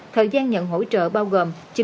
thời gian nhận hỗ trợ bao gồm